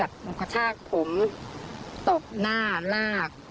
มันกระชากผมตบหน้าลาก